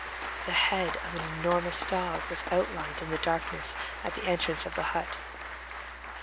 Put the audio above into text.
The head of an enormous dog was outlined in the darkness at the entrance of the hut.